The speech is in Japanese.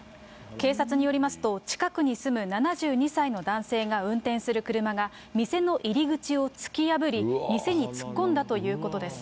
警察によりますと、近くに住む７２歳の男性が運転する車が、店の入り口を突き破り、店に突っ込んだということです。